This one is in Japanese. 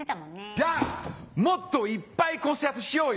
じゃあもっといっぱいコンサートしようよ！